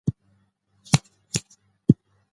زه په خندا سره ژوند خوښوم.